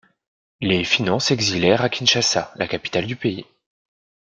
Les Finant s'exilèrent à Kinshasa, la capitale du pays.